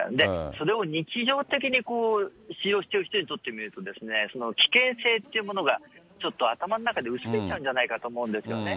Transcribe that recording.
それを日常的に使用している人にとってみると、その危険性というのがちょっと頭の中で薄れちゃうんじゃないかと思うんですよね。